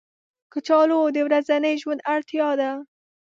کچالو د ورځني ژوند اړتیا ده